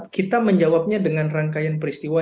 kita menjawabnya dengan rangkaian peristiwa